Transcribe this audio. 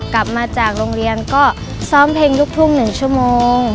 กลับมาจากโรงเรียนก็ซ้อมเพลงลูกทุ่ง๑ชั่วโมง